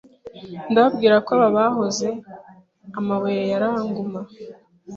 "Ndababwira ko aba bahoze, amabuye yarangumra